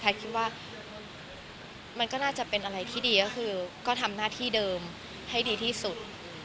คิดว่ามันก็น่าจะเป็นอะไรที่ดีก็คือก็ทำหน้าที่เดิมให้ดีที่สุด